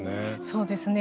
そうですね。